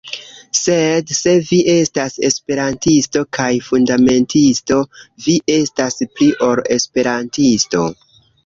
Sed se vi estas Esperantisto kaj fundamentisto, vi estas pli ol Esperantisto.